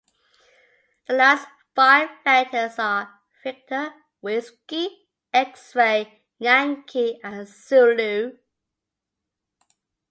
The last five letters are Victor, Whiskey, X-ray, Yankee, and Zulu.